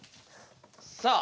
さあ。